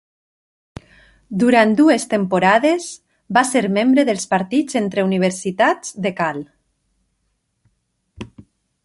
Durant dues temporades va ser membre dels partits entre universitats de Cal.